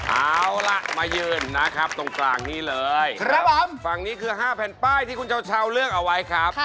เอาล่ะมายืนนะครับตรงกลางนี้เลยครับผมฝั่งนี้คือ๕แผ่นป้ายที่คุณเช้าเลือกเอาไว้ครับ